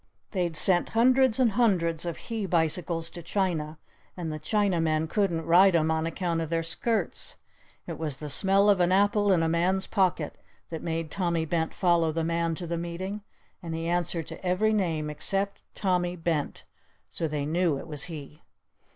They'd sent hundreds and hundreds of he bicycles to China and the Chinamen couldn't ride 'em on account of their skirts! It was the smell of an apple in a man's pocket that made Tommy Bent follow the man to the meeting. And he answered to every name except 'Tommy Bent' so they knew it was he!